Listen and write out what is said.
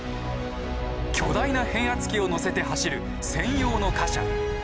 巨大な変圧器を載せて走る専用の貨車。